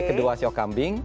kedua sio kambing